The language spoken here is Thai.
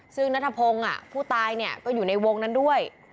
ซึ่งนัทพงศ์ผู้ตายก็อยู่ในวงนั้นด้วย